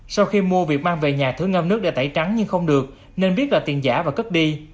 sau khi mua việc mang về nhà thử ngâm nước để tẩy trắng nhưng không được nên biết là tiền giả và cất đi